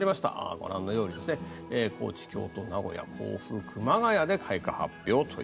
ご覧のように高知、京都、名古屋甲府、熊谷で開花発表と。